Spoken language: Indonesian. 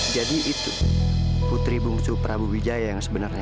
jadi itu putri bungsu prabu wijaya yang sebenarnya